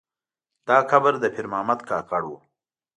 دا قبر د پیر محمد کاکړ و.